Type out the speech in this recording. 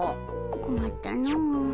こまったの。